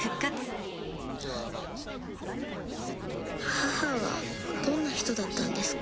母はどんな人だったんですか？